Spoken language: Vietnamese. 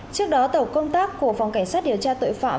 trước đó tổ công tác của phòng cảnh sát điều tra tội phạm